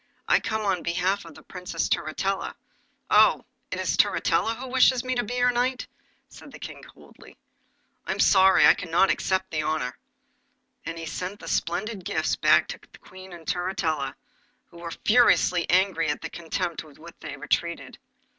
'I come on behalf of the Princess Turritella.' 'Oh, it is Turritella who wishes me to be her knight,' said the King coldly. 'I am sorry that I cannot accept the honour.' And he sent the splendid gifts back to the Queen and Turritella, who were furiously angry at the contempt with which they were treated.